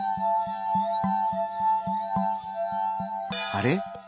あれ？